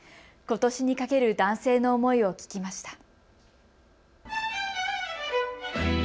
ことしにかける男性の思いを聞きました。